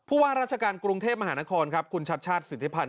ว่าราชการกรุงเทพมหานครครับคุณชัดชาติสิทธิพันธ